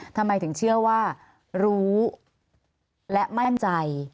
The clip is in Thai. ทำไมถึงเชื่อว่ารู้และมั่นใจ